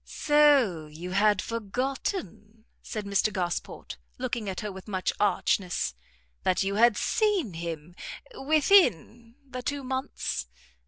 "So you had forgotten," said Mr Gosport, looking at her with much archness, "that you had seen him within the two months?